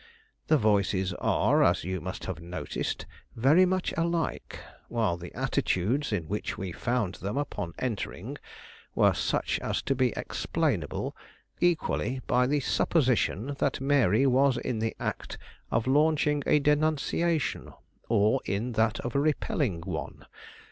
The voices are, as you must have noticed, very much alike, while the attitudes in which we found them upon entering were such as to be explainable equally by the supposition that Mary was in the act of launching a denunciation, or in that of repelling one.